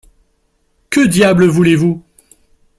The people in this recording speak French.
Que diable voulez-vous ?